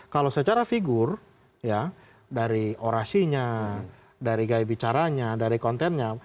kalau secara figur ya dari orasinya dari gaya bicaranya dari kontennya